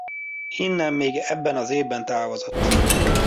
Innen még ebben az évben távozott.